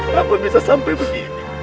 kenapa bisa sampai begini